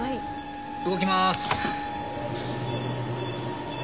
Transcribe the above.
動きます。